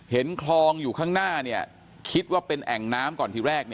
เห็นคลองอยู่ข้างหน้าคิดว่าเป็นแอ่งน้ำก่อนทีแรก